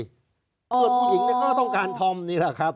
ส่วนผู้หญิงก็ต้องการธอมนี่แหละครับ